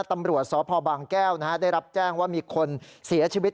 ตำรวจสพบางแก้วได้รับแจ้งว่ามีคนเสียชีวิต